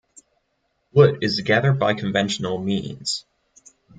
Wood is gathered by conventional means.